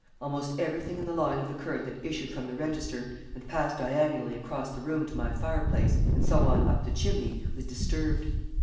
Almost everything in the line of the current that issued from the register and passed diagonally across the room to my fireplace, and so on up the chimney, was disturbed.